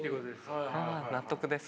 納得です。